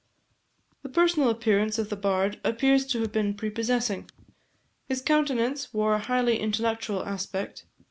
The personal appearance of the bard appears to have been prepossessing: his countenance wore a highly intellectual aspect.